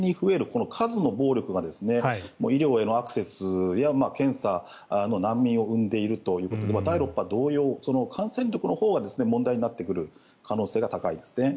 この数の暴力が医療へのアクセスや検査の難民を生んでいるということで第６波同様感染力のほうが問題になってくる可能性が高いですね。